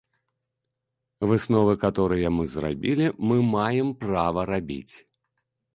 Высновы, каторыя мы зрабілі, мы маем права рабіць.